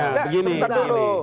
tidak sebentar dulu